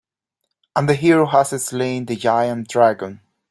And the hero has slain the giant dragon.